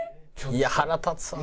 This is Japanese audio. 「いや腹立つわ」